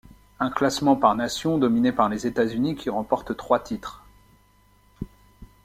Un classement par nations dominé par les États-Unis qui remportent trois titres.